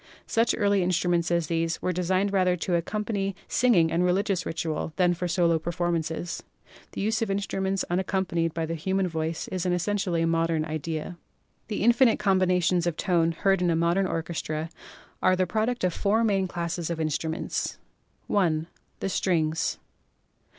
Such early instruments as these were designed rather to accompany singing and religious ritual than for solo performances. The use of instruments unaccom panied by the human voice is an essentially modern idea. The infinite combinations of tone heard in a modern orchestra are the product of four main classes of in struments : (i) The Strings.